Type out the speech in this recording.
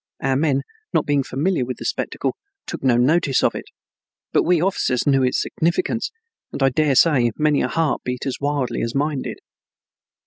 Our men, not being familiar with the spectacle, took no notice of it, but we officers knew its significance, and I daresay many a heart beat as wildly as mine did.